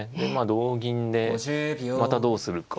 同銀でまたどうするか。